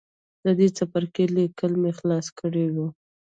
د دې څپرکي ليکل مې خلاص کړي وو.